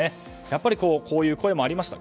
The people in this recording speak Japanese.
やっぱりこういう声もありました。